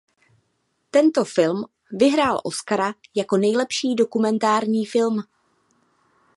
Tento film vyhrál Oscara jako nejlepší dokumentární film.